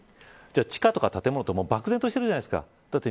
地下とか建物って漠然としてるじゃないですか。